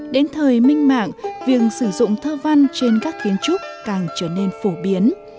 đến thời minh mạng việc sử dụng thơ văn trên các kiến trúc càng trở nên phổ biến